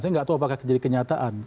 saya nggak tahu apakah jadi kenyataan